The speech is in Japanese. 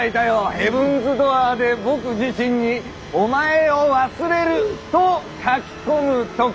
ヘブンズ・ドアーで僕自身に「お前を忘れる」と書き込むとか。